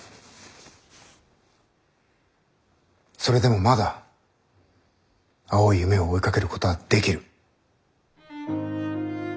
それでもまだ青い夢を追いかけることはできる。